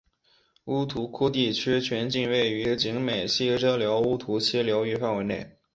乌涂窟地区全境位于景美溪支流乌涂溪流域范围内。